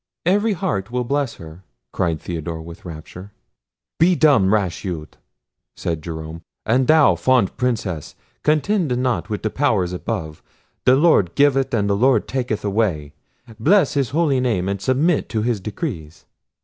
"Every heart will bless her," cried Theodore with rapture. "Be dumb, rash youth!" said Jerome. "And thou, fond Princess, contend not with the Powers above! the Lord giveth, and the Lord taketh away: bless His holy name, and submit to his decrees."